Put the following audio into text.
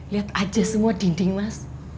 lihat aja semua dinding mas